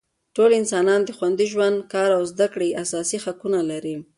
ټول انسانان د خوندي ژوند، کار او زده کړې اساسي حقونه لري.